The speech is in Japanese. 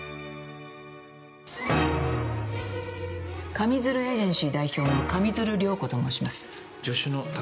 上水流エージェンシー代表の上水流涼子と申します。